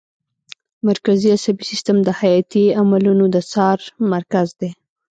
مرکزي عصبي سیستم د حیاتي عملونو د څار مرکز دی